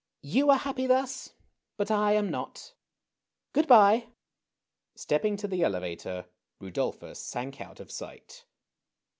You are happy thus, but I am not. Good by !" StejDping to the elevator, Rudolplnis sank out of sight.